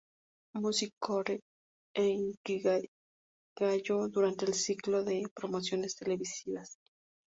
Music Core" e "Inkigayo" durante el ciclo de promociones televisivas.